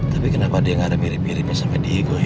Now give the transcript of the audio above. tapi kenapa dia nggak ada mirip miripnya sama diego